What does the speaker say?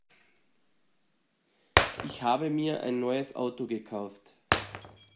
Ich habe mir ein neues Auto gekauft.